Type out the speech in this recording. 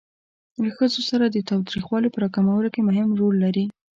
له ښځو سره د تاوتریخوالي په را کمولو کې مهم رول لري.